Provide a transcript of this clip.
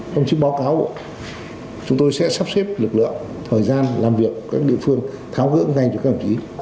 công trí báo cáo chúng tôi sẽ sắp xếp lực lượng thời gian làm việc các địa phương tháo ngưỡng ngay cho các công trí